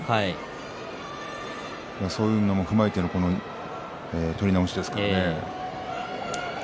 そういうのも踏まえての取り直しですかね。